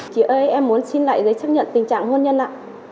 chị ơi em muốn xin lại giấy chấp nhận tình trạng hôn nhân ạ